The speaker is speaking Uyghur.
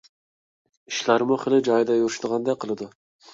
ئىشلارمۇ خېلى جايىدا يۈرۈشىدىغاندەك قىلىدۇ.